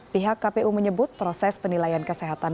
pihak kpu menyebut proses penilaian kesehatan